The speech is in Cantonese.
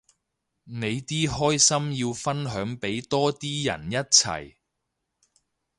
你啲開心要分享俾多啲人一齊